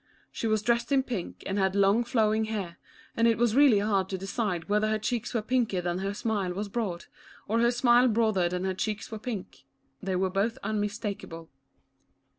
She was dressed in pink and had long flowing hair, and it was really hard to decide whether her cheeks were pinker than her smile was broad, or her smile broader than her cheeks were pink — they were both unmistakable.